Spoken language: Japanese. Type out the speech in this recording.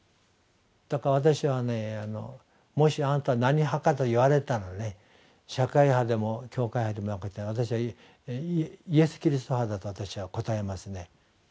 だから私はもしあなたは何派か？と言われたら社会派でも教会派でもなくて「イエス・キリスト派だ」と私は答えますね。